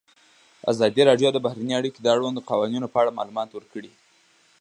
ازادي راډیو د بهرنۍ اړیکې د اړونده قوانینو په اړه معلومات ورکړي.